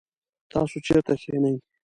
تاسو چیرته کښېنئ؟